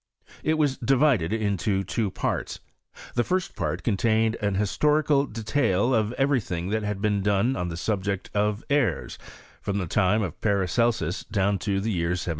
Itwas divided into two parts. The first part contained an historical detail of every thing that had been done on the subject of airs, from the time of Paracelsus down to the year 1774.